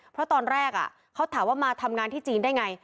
เพราะตอนแรกเขาถามว่ามาทำงานที่จีนได้ไง